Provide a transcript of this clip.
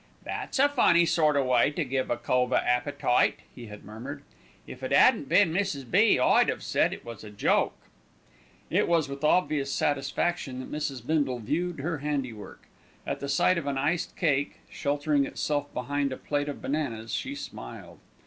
"That's a funny sort o' way to give a cove a appetite," he had murmured. "If it 'adn't been Mrs. B., I'd 'ave said it was a joke." It was with obvious satisfaction that Mrs. Bindle viewed her handiwork. At the sight of an iced cake, sheltering itself behind a plate of bananas, she smiled.